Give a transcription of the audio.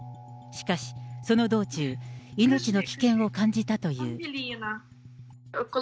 しかし、その道中、命の危険を感じたという。